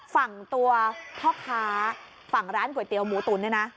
ฝั่งตัวพ่อค้าฝั่งร้านก๋วยเตี๋ยหมูตุ๋นเนี่ยนะ